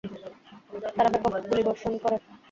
তারা ব্যাপক গুলিবর্ষণ করে।